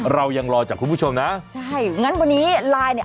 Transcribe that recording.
เรายังรอจากคุณผู้ชมนะใช่งั้นวันนี้ไลน์เนี่ย